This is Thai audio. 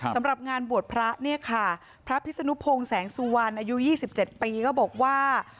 สำหรับงานบวชพระเนี่ยค่ะพระพิศนุพงศ์แสงสุวรรณอายุ๒๗ปีก็บอกว่า